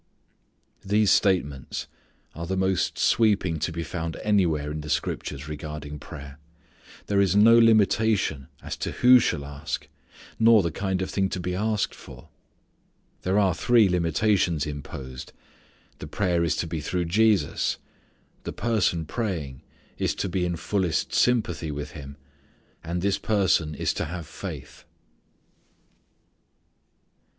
These statements are the most sweeping to be found anywhere in the Scriptures regarding prayer. There is no limitation as to who shall ask, nor the kind of thing to be asked for. There are three limitations imposed: the prayer is to be through Jesus; the person praying is to be in fullest sympathy with Him; and this person is to have faith.